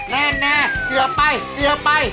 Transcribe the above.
แน่เกือบไปเกือบไป